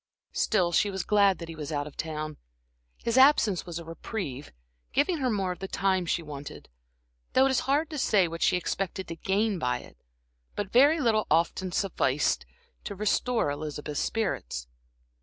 Still, she was glad that he was out of town. His absence was a reprieve, giving her more of the time she wanted, though it is hard to say what she expected to gain by it. But very little often sufficed to restore Elizabeth's spirits.